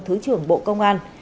thứ trưởng bộ công an